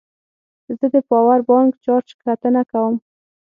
زه د پاور بانک چارج کتنه کوم.